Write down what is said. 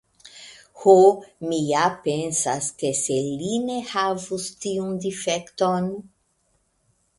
Ho, mi ja pensas, ke se li ne havus tiun difekton.